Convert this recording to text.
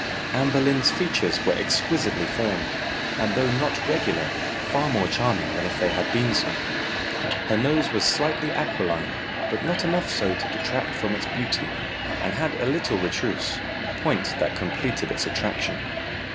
Anne Boleyn's features were exquisitely formed, and though not regular, far more charming than if they had been so. Her nose was slightly aquiline, but not enough so to detract from its beauty, and had a little retrousse; point that completed its attraction.